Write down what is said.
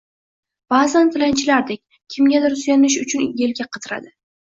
Ba`zan tilanchilardek, kimgadir suyanish uchun elka qidiradi